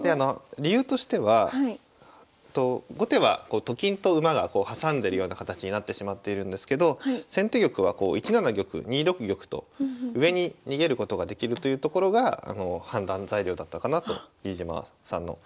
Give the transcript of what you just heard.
理由としては後手はと金と馬が挟んでるような形になってしまっているんですけど先手玉はこう１七玉２六玉と上に逃げることができるというところが判断材料だったかなと飯島さんのはい思いました。